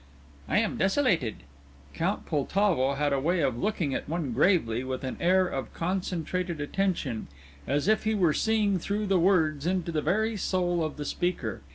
"I am desolated!" Count Poltavo had a way of looking at one gravely, with an air of concentrated attention, as if he were seeing through the words, into the very soul of the speaker.